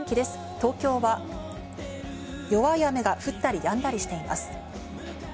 東京は弱い雨が降ったりやんだりしています。